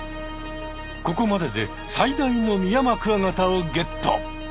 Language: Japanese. ここまでで最大のミヤマクワガタをゲット。